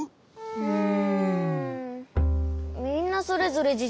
うん。